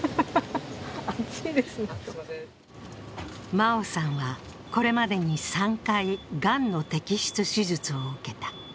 真生さんはこれまでに３回、がんの摘出手術を受けた。